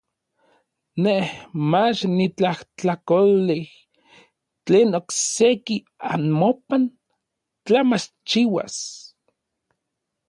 Nej mach nitlajtlakolej tlen okseki anmopan tla machchiuas.